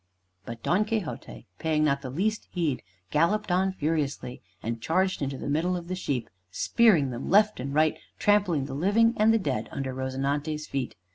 But Don Quixote, paying not the least heed, galloped on furiously and charged into the middle of the sheep, spearing them right and left, trampling the living and the dead under "Rozinante's" feet.